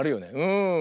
うん。